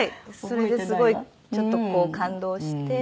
それですごいちょっとこう感動して。